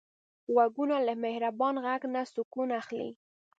غوږونه له مهربان غږ نه سکون اخلي